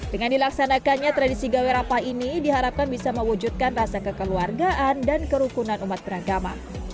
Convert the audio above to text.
dengan dilaksanakannya tradisi gawerapah ini diharapkan bisa mewujudkan rasa kekeluargaan dan kerukunan umat beragama